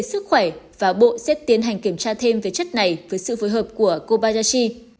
sức khỏe và bộ sẽ tiến hành kiểm tra thêm về chất này với sự phối hợp của kobayachi